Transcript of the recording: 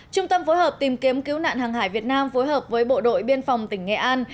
trung tâm phối hợp tìm kiếm cứu nạn hàng hải việt nam phối hợp với bộ đội biên phòng tỉnh nghệ an